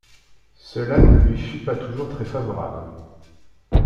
Cela ne lui fut pas toujours très favorable.